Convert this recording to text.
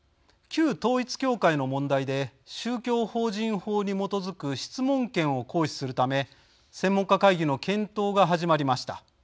旧統一教会の問題で宗教法人法に基づく質問権を行使するため専門家会議の検討が始まりました。